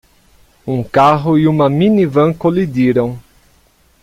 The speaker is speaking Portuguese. Um carro e uma minivan colidiram.